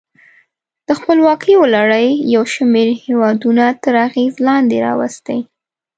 د خپلواکیو لړۍ یو شمیر هېودونه تر اغېز لاندې راوستي.